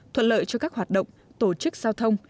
thuận lợi cho các hoạt động tổ chức giao thông